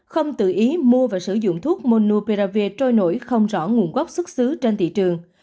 không tự ý mua và sử dụng thuốc mono pravi trôi nổi không rõ nguồn gốc xuất xứ trên thị trường